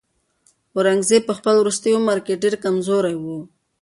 اورنګزېب په خپل وروستي عمر کې ډېر کمزوری و.